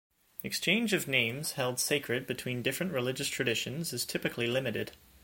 Exchange of names held sacred between different religious traditions is typically limited.